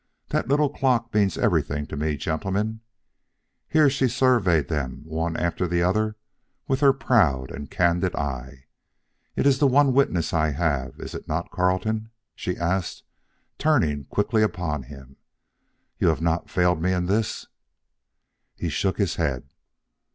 That little clock means everything to me, gentlemen." Here she surveyed them one after the other with her proud and candid eye. "It is the one witness I have is it not, Carleton?" she asked, turning quickly upon him. "You have not failed me in this?" He shook his head.